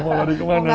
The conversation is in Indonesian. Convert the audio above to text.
mau lari kemana